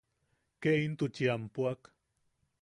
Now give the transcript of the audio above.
Ke intuchi am puak.